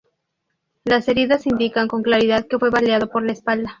Las heridas indican con claridad que fue baleado por la espalda.